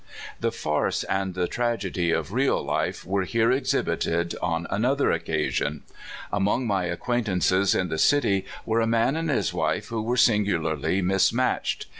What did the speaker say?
The farce and the tragedy of real life were here exhibited on another occasion. Among my ac quaintances in the city were a man and his wife who were singularly mismatched.